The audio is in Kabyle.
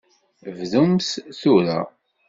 Bdumt tura!